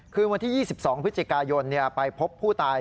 คืนวันที่๒๒พฤศจิกายนไปพบผู้ตาย